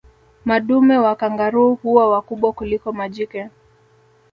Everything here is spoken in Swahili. Madume wa kangaroo huwa wakubwa kuliko majike